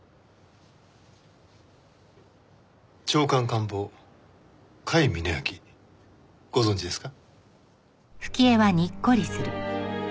長官官房甲斐峯秋ご存じですか？